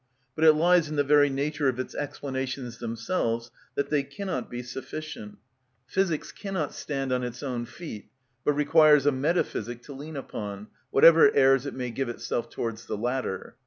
But it lies in the very nature of its explanations themselves that they cannot be sufficient. Physics cannot stand on its own feet, but requires a metaphysic to lean upon, whatever airs it may give itself towards the latter.